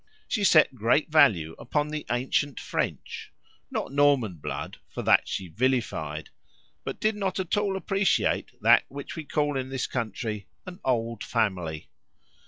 She set great value upon the ancient French (not Norman blood, for that she vilified), but did not at all appreciate that which we call in this country "an old family."